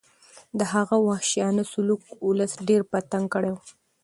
د هغه وحشیانه سلوک ولس ډېر په تنګ کړی و.